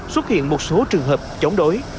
xuất hiện một số trường hợp chống đối